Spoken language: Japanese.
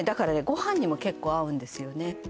ご飯にも結構合うんですよね